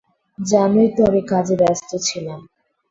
জানোই তো আমি কাজে ব্যস্ত ছিলাম।